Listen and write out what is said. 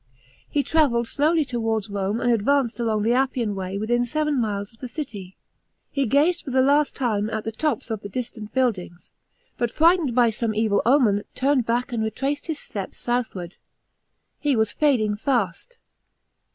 He travelled slowly towards Rom«' and advanced along the Appian Way within seven miles of the city. He gaze! lor the last time at the tons of the distant buildings but frightened by some evil omen, turned back, and retraced his steps southward. He was fa'ling fast.